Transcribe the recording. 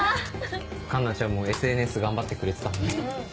奏奈ちゃんもＳＮＳ頑張ってくれてたもんね。